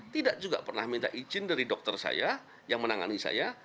tidak juga pernah minta izin dari dokter saya yang menangani saya